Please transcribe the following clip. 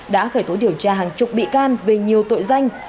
đã khởi thối điều tra hàng chục bị can về nhiều tội danh